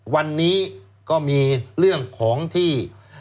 วันนี้ก็มีเรื่องของที่